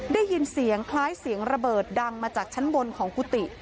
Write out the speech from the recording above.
ได้ยินเสียงคล้ายเสียงระเบิดดังมาจากชั้นบนของกุฏิ